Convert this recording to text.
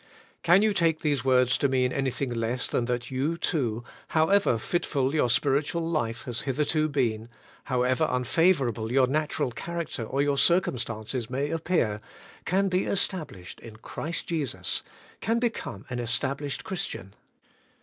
Can you take these words to mean anything less than that you too — however fitful your spiritual life has hitherto been, however unfavourable your natural character or your circumstances may appear — can be established in Christ Jesus, can become an established Christian?